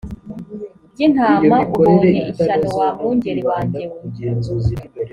by intama ubonye ishyano wa mwungeri wanjye we